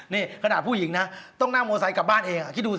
นี่ขนาดผู้หญิงนะต้องนั่งมอไซค์กลับบ้านเองคิดดูสิ